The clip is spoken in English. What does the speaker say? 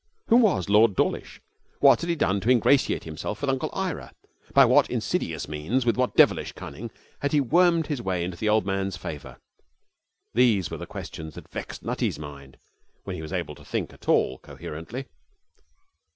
Who was Lord Dawlish? What had he done to ingratiate himself with Uncle Ira? By what insidious means, with what devilish cunning, had he wormed his way into the old man's favour? These were the questions that vexed Nutty's mind when he was able to think at all coherently.